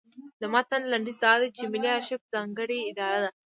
د متن لنډیز دا دی چې ملي ارشیف ځانګړې اداره ده.